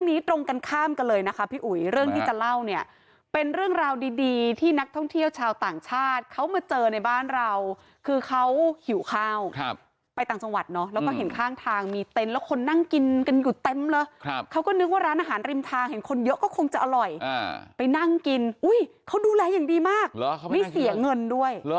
ตรงกันข้ามกันเลยนะคะพี่อุ๋ยเรื่องที่จะเล่าเนี่ยเป็นเรื่องราวดีดีที่นักท่องเที่ยวชาวต่างชาติเขามาเจอในบ้านเราคือเขาหิวข้าวครับไปต่างจังหวัดเนาะแล้วก็เห็นข้างทางมีเต็นต์แล้วคนนั่งกินกันอยู่เต็มเลยครับเขาก็นึกว่าร้านอาหารริมทางเห็นคนเยอะก็คงจะอร่อยไปนั่งกินอุ้ยเขาดูแลอย่างดีมากไม่เสียเงินด้วย